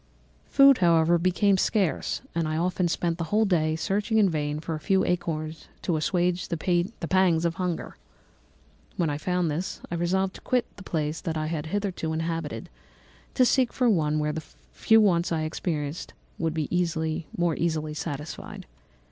"Food, however, became scarce, and I often spent the whole day searching in vain for a few acorns to assuage the pangs of hunger. When I found this, I resolved to quit the place that I had hitherto inhabited, to seek for one where the few wants I experienced would be more easily satisfied.